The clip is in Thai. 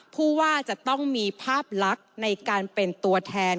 ผู้ว่าจะต้องมีภาพลักษณ์ในการเป็นตัวแทน